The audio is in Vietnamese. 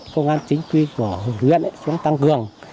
công an chính quyền của huyện xuống tăng cường